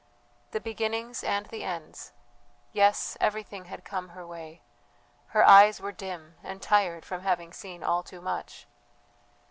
The beginnings and the ends. Yes, everything had come her way, her eyes were dim and tired from having seen all too much!